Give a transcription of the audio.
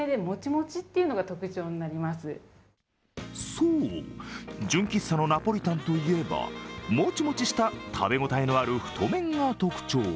そう、純喫茶のナポリタンといえばもちもちした食べ応えのある太麺が特徴。